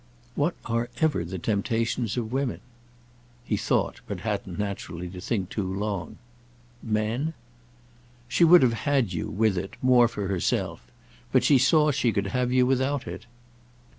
"What are ever the temptations of women?" He thought—but hadn't, naturally, to think too long. "Men?" "She would have had you, with it, more for herself. But she saw she could have you without it."